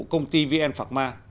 công ty vn phạc ma